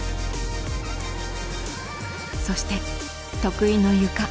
そして得意のゆか。